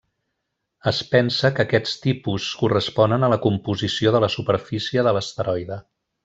Es pensa que aquests tipus corresponen a la composició de la superfície de l'asteroide.